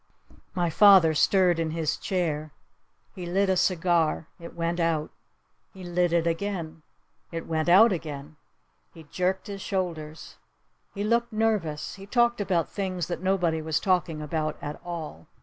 My father stirred in his chair. He lit a cigar. It went out. He lit it again. It went out again. He jerked his shoulders. He looked nervous. He talked about things that nobody was talking about at all.